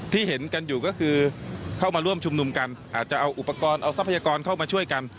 เห็นกันอยู่ก็คือเข้ามาร่วมชุมนุมกันอาจจะเอาอุปกรณ์เอาทรัพยากรเข้ามาช่วยกัน